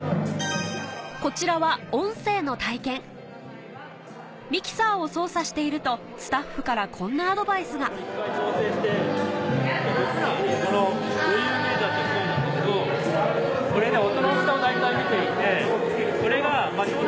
こちらはミキサーを操作しているとスタッフからこんなアドバイスがこれで。